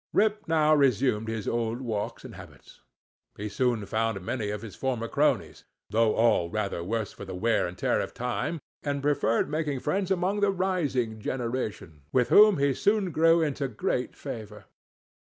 Rip now resumed his old walks and habits; he soon found many of his former cronies, though all rather the worse for the wear and tear of time; and preferred making friends among the rising generation, with whom he soon grew into great favor.